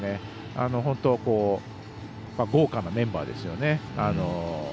本当、豪華なメンバーですよね。